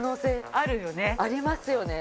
ありますよね。